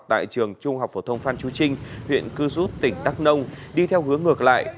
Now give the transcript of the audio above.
tại trường trung học phổ thông phan chú trinh huyện cư rút tỉnh đắk nông đi theo hướng ngược lại